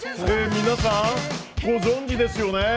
皆さんご存じですよね。